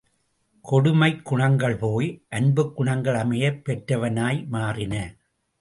கொடுமைக் குணங்கள் போய் அன்புக் குணங்கள் அமையப் பெற்றனவாய் மாறின.